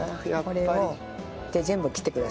これを全部切ってください。